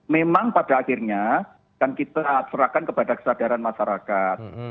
memang pada akhirnya kan kita serahkan kepada kesadaran masyarakat